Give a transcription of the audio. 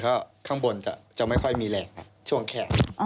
เพราะข้างบนจะไม่ค่อยมีแรงช่วงแข่ง